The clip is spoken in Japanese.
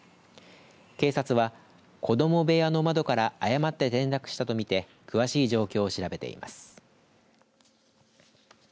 警察は、子供部屋の窓から誤って転落したとみて詳しい状況を調べています。